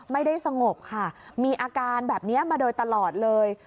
ไม่ได้สงบค่ะมีอาการแบบนี้มาโดยตลอดเลย